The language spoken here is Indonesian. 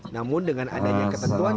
namun dengan adanya ketentuan